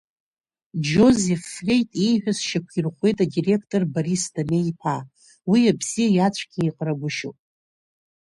Џьозеф Флеит ииҳәаз шьақәирӷәӷәеит адиректор Борис Дамеи-иԥа, уи абзиеи ацәгьеи еиҟарагәышьоуп.